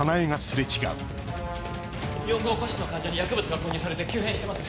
４号個室の患者に薬物が混入されて急変してます。